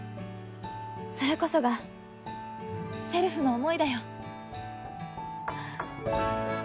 それこそがせるふの思いだよ。